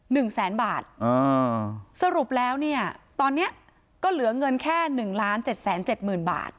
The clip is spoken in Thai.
หนึ่งแสนบาทอ่าสรุปแล้วเนี่ยตอนเนี้ยก็เหลือเงินแค่หนึ่งล้านเจ็ดแสนเจ็ดหมื่นบาท